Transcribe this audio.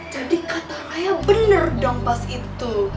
jadi kata raya bener dong pas itu